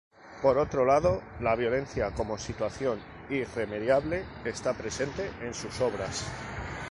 Por otro lado, la violencia como situación irremediable está presente en sus obras.